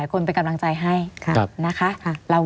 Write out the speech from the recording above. ไม่มีครับไม่มีครับ